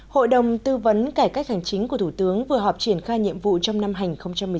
hội đồng tư vấn cải cách thủ tục hành chính của thủ tướng vừa họp triển khai nhiệm vụ trong năm hành một mươi chín